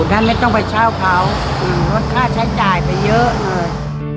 นั้นเลยต้องไปเช่าเขาลดค่าใช้จ่ายไปเยอะเลย